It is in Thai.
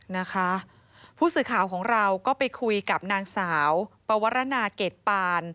นะคะผู้สื่อข่าวของเราก็ไปคุยกับนางสาวปวรนาเกรดปาน